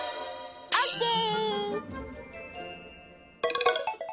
オッケー！